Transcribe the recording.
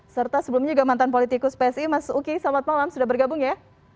serta sebelumnya juga mantan politikus psi mas uki selamat malam sudah bergabung ya